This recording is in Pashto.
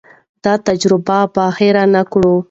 دا تجربه به هېر نه کړم.